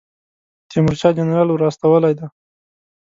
تیمورشاه جنرال ور استولی دی.